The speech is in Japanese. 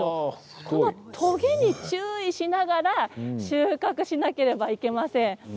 このトゲに注意しながら収穫しなければいけません。